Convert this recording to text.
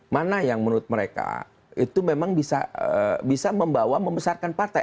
mana yang menurut mereka itu memang bisa membawa membesarkan partai